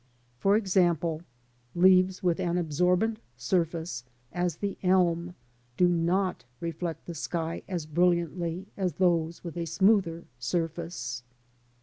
For example, leaves with an absorbent surface, as the elm, do not reflect the sky as brightly as those with a smoother surface.